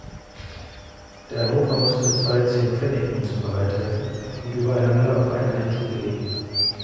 Der Anrufer musste zwei Zehn-Pfennig-Münzen bereithalten und übereinander auf einen Einschub legen.